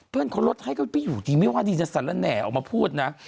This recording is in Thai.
เปิ้ลลดให้พี่อยู่ดิไม่ว่าดีจริงสนับแหน่อออกมาพูดนะ